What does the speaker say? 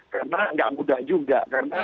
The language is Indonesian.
karena tidak mudah juga